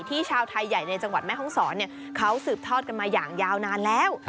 ชาวไทยใหญ่ในจังหวัดแม่ห้องศรเขาสืบทอดกันมาอย่างยาวนานแล้ว